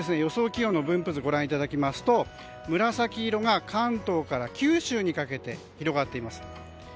気温の分布図をご覧いただきますと紫色が関東から九州にかけて広がっています。